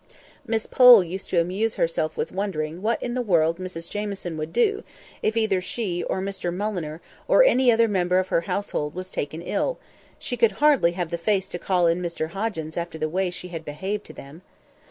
Miss Pole used to amuse herself with wondering what in the world Mrs Jamieson would do, if either she, or Mr Mulliner, or any other member of her household was taken ill; she could hardly have the face to call in Mr Hoggins after the way she had behaved to them.